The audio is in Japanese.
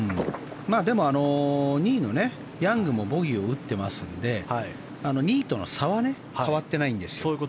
でも、２位のヤングもボギーを打ってますんで２位との差は変わってないんですよ。